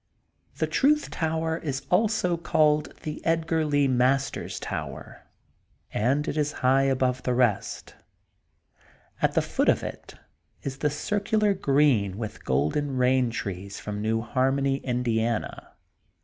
The Truth Tower is also called The Edgar Lee Masters Tower, and it is high above the rest. At the foot of it is the circular green with Golden Eain Trees from New Harmony, Indiana.